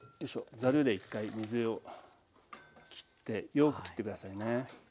ざるで１回水をきってよくきって下さいね。